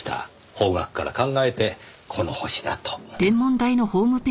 方角から考えてこの星だと。